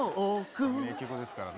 名曲ですからね。